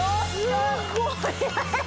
すごい。